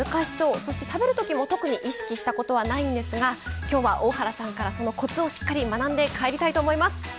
そして食べるときも特に意識したことはないんですがきょうは大原さんからそのコツを、しっかり学んで帰りたいと思います。